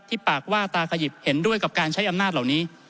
ปากว่าตาขยิบเห็นด้วยกับการใช้อำนาจเหล่านี้